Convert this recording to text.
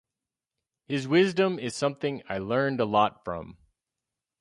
His wisdom is something I learned a lot from.